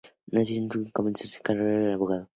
Nació en Lyon, y comenzó su carrera como abogado.